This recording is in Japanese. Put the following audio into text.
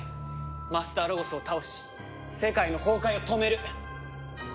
マスターロゴスを倒し世界の崩壊を止める！